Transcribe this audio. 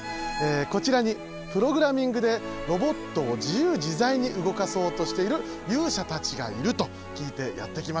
こちらにプログラミングでロボットを自由自在に動かそうとしている勇者たちがいると聞いてやって来ました。